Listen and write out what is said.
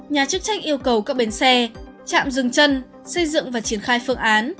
nhà chức trách yêu cầu các bến xe trạm dừng chân xây dựng và triển khai phương án